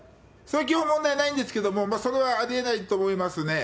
基本問題ないんですけれども、それはありえないと思います。